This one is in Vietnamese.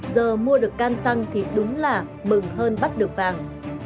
giờ mua được can xăng thì đúng là mừng hơn bắt được vàng